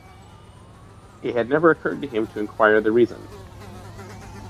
It had never occurred to him to inquire the reason.